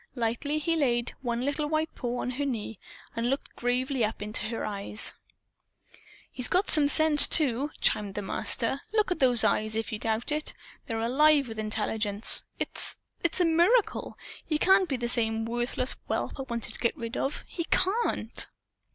Lightly he laid one little white paw on her knee and looked gravely up into her eyes. "He's got sense, too," chimed in the Master. "Look at those eyes, if you doubt it. They're alive with intelligence. It's it's a miracle! He can't be the same worthless whelp I wanted to get rid of! He CAN'T!"